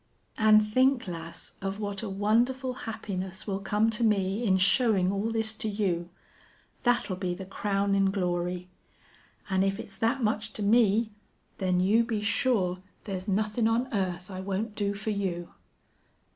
An' think, lass, of what a wonderful happiness will come to me in showin' all this to you. That'll be the crownin' glory. An' if it's that much to me, then you be sure there's nothin' on earth I won't do for you."